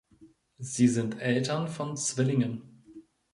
Sie sind Eltern von Zwillingen.